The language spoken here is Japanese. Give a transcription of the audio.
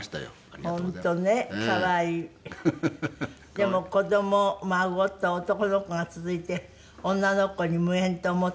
でも子供孫と男の子が続いて女の子に無縁と思ったら。